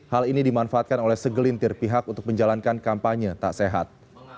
hal ini dimanfaatkan oleh segelintir pihak untuk menjalankan kampanye tak sehat